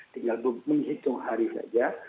tinggal menghitung hari saja